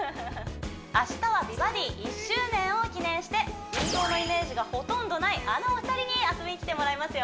明日は「美バディ」１周年を記念して運動のイメージがほとんどないあのお二人に遊びに来てもらいますよ